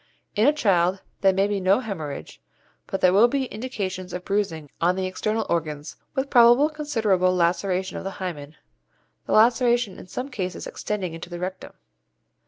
In the child there may be no hæmorrhage, but there will be indications of bruising on the external organs, with probably considerable laceration of the hymen, the laceration in some cases extending into the rectum.